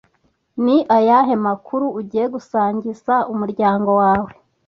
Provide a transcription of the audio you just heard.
ni ayahe makuru ugiye gusangiza umuryango wawe